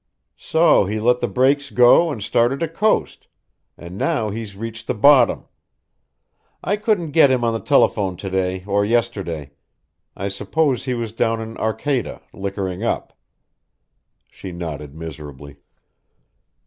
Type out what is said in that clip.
So he let the brakes go and started to coast, and now he's reached the bottom! I couldn't get him on the telephone to day or yesterday. I suppose he was down in Arcata, liquoring up." She nodded miserably.